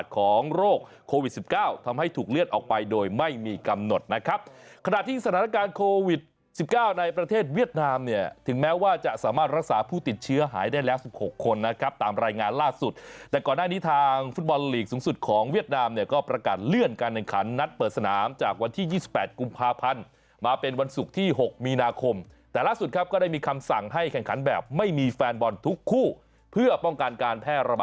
ของโรคโควิด๑๙ทำให้ถูกเลือดออกไปโดยไม่มีกำหนดนะครับขณะที่สถานการณ์โควิด๑๙ในประเทศเวียดนามเนี่ยถึงแม้ว่าจะสามารถรักษาผู้ติดเชื้อหายได้แล้ว๑๖คนนะครับตามรายงานล่าสุดแต่ก่อนหน้านี้ทางฟุตบอลลีกสูงสุดของเวียดนามเนี่ยก็ประกาศเลื่อนการเนินขันนัดเปิดสนามจากวันที่๒๘กุมภาพั